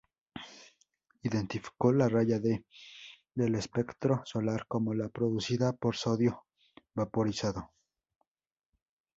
Identificó la raya D del espectro solar como la producida por sodio vaporizado.